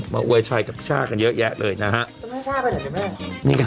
มาโวยชัยกับพี่ช้ากันเยอะแยะเลยนะฮะก็ไม่ให้ช้าไปเหลือไม่ได้